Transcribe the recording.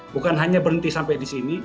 bukan hanya berhenti sampai disini